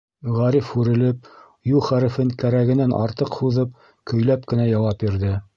Ғариф, һүрелеп, «ю» хәрефен кәрәгенән артыҡ һуҙып, көйләп кенә яуап бирҙе: